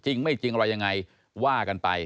จริงไม่จริงอะไรยังไงว่ากันไป